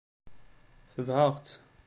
Tebɛeɣ-tt.